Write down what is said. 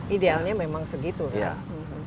idealnya memang segitu kan